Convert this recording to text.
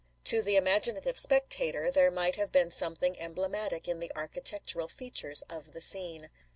To the imaginative spectator there might have been something emblematic in the architectural features of the scene.